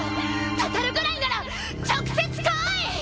祟るぐらいなら直接来い！